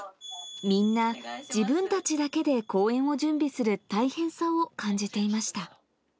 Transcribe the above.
みんな自分たちだけで公演を準備する大変さを感じていました。